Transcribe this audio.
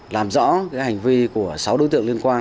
làm rõ hành vi của sáu đối tượng liên quan